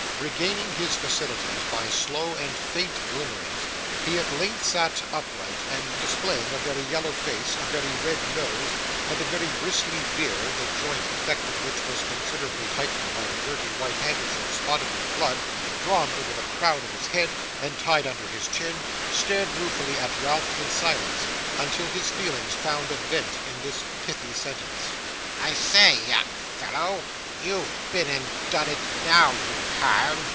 Regaining his faculties by slow and faint glimmerings, he at length sat upright; and, displaying a very yellow face, a very red nose, and a very bristly beard: the joint effect of which was considerably heightened by a dirty white handkerchief, spotted with blood, drawn over the crown of his head and tied under his chin: stared ruefully at Ralph in silence, until his feelings found a vent in this pithy sentence: 'I say, young fellow, you've been and done it now; you have!